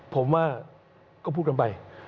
ผมว่าก็พูดกันไป